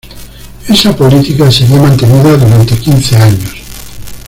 Esa política sería mantenida durante quince años.